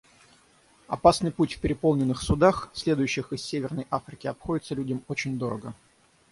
Опасный путь в переполненных судах, следующих из Северной Африки, обходится людям очень дорого.